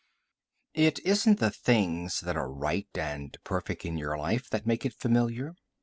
It isn't the things that are right and perfect in your life that make it familiar.